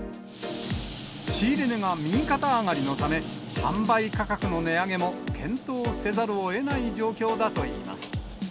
仕入れ値が右肩上がりのため、販売価格の値上げも検討せざるをえない状況だといいます。